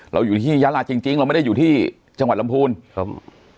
เราอยู่ที่ยาลาจริงจริงเราไม่ได้อยู่ที่จังหวัดลำพูนครับ